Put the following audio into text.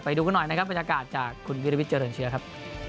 ดูกันหน่อยนะครับบรรยากาศจากคุณวิริวิทเจริญเชื้อครับ